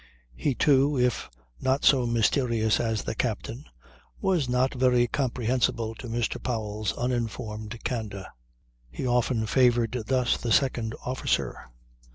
He, too, if not so mysterious as the captain, was not very comprehensible to Mr. Powell's uninformed candour. He often favoured thus the second officer.